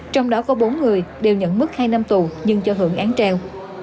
trong đó có bốn người đều nhận mức hai năm tù nhưng cho hưởng án treo